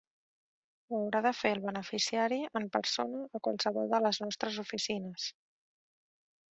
Ho haurà de fer el beneficiari en persona a qualsevol de les nostres oficines.